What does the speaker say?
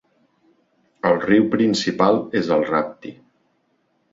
El riu principal és el Rapti.